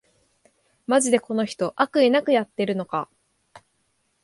マジでこの人、悪意なくやってるのか